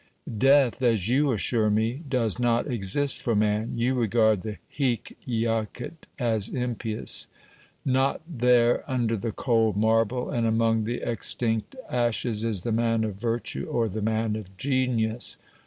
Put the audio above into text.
Death, as you assure me, does not exist for man. You regard the hie jacet as impious. Not there under the cold marble and among the extinct ashes is the man of virtue or the man of genius.